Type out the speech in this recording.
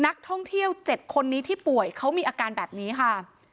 นักท่องเที่ยว๗คนนี้ที่ป่วยเขามีอาการแบบนี้ค่ะ